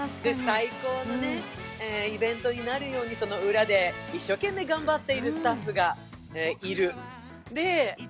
最高のイベントになるようにその裏で一生懸命頑張っているスタッフがいる。